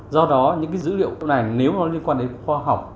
do đó những cái dữ liệu này nếu nó liên quan đến khoa học